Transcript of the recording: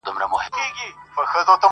رحمت الله درد کليات نه انتخاب